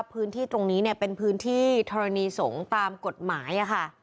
พื้นที่ตรงนี้เป็นพื้นที่ทรนีสงฆ์ตามกฏหมาย